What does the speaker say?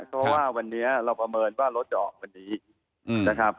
เพราะว่าวันนี้เราประเมินว่ารถจะออกวันนี้นะครับ